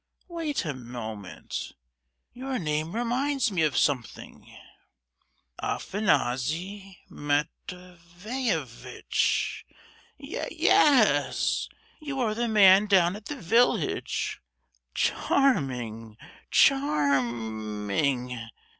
"Wait a moment: your name reminds me of something, Afanassy Mat—veyevitch; ye—yes, you are the man down at the village! Charming, charm—ing!